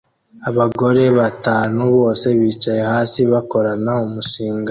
Abagore batanu bose bicaye hasi bakorana umushinga